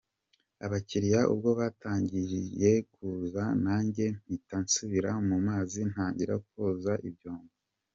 Abakiriya ubwo batangiye kuza nanjye mpita nsubira mu mazi ntangira koza ibyombo.